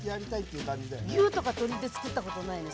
牛とか鶏で作ったことないね